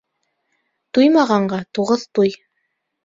Туймағанға туғыҙ туй.